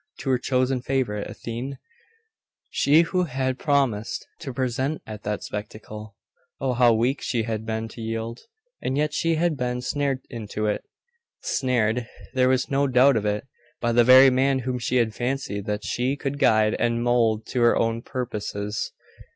To her chosen favourite, Athene? She who had promised to be present at that spectacle? Oh, how weak she had been to yield! And yet she had been snared into it. Snared there was no doubt of it by the very man whom she had fancied that she could guide and mould to her own purposes.